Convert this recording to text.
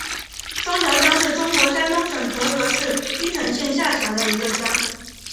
双桥乡是中国山东省菏泽市郓城县下辖的一个乡。